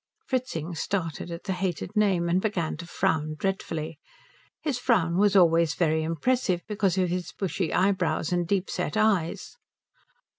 Fritzing started at the hated name, and began to frown dreadfully. His frown was always very impressive because of his bushy eyebrows and deep set eyes.